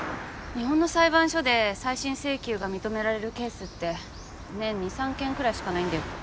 日本の裁判所で再審請求が認められるケースって年２３件ぐらいしかないんだよ。